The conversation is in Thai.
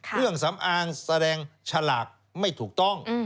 เครื่องสำอางแสดงฉลากไม่ถูกต้อง